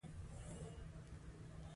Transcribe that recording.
د کښته او لاندي ماناوي تقريباً سره يو دي.